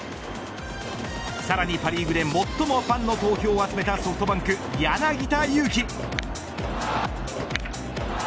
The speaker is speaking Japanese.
さらにパ・リーグで最もファンの投票を集めたソフトバンク柳田悠岐。